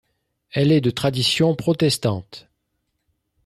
Elle est de tradition protestante.